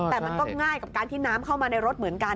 แต่น้ำก็ง่ายกว่าในน้ำเข้ามาในรถเหมือนกัน